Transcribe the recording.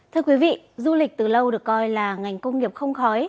thưa quý vị du lịch từ lâu được coi là ngành công nghiệp không khói